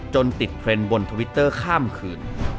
ติดเทรนด์บนทวิตเตอร์ข้ามคืน